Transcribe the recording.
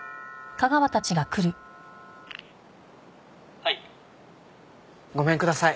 「はい」ごめんください。